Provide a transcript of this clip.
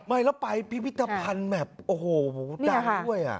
ไม่แล้วไปพิพิธภัณฑ์แบบโอ้โหดังด้วย